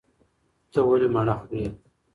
ته ولې مڼه خورې؟